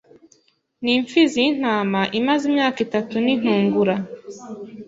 n impfizi y intama imaze imyaka itatu n intungura